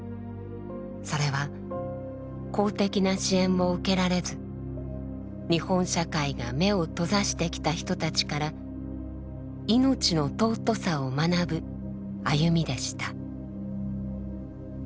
それは公的な支援を受けられず日本社会が目を閉ざしてきた人たちから「命の尊さ」を学ぶ歩みでした。